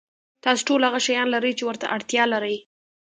تاسو ټول هغه شیان لرئ چې ورته اړتیا لرئ.